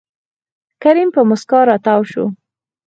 کريم په موسکا راتاو شو.